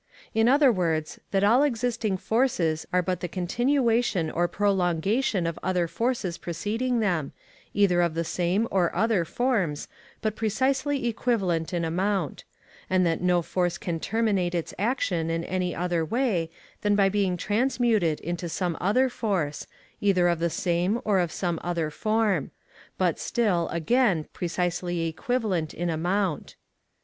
In other words, that all existing forces are but the continuation or prolongation of other forces preceding them, either of the same or other forms, but precisely equivalent in amount; and that no force can terminate its action in any other way than by being transmuted into some other force, either of the same or of some other form; but still, again, precisely equivalent in amount.